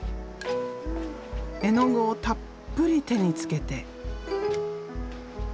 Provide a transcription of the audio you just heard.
絵の具をたっぷり手につけて。